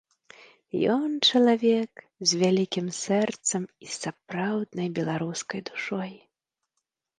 Ён чалавек з вялікім сэрцам і з сапраўднай беларускай душой.